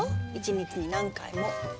１日に何回も。